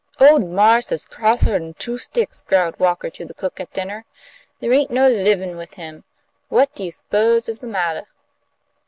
"Ole marse is crosser'n two sticks," growled Walker to the cook at dinner. "There ain't no livin' with him. What do you s'pose is the mattah?"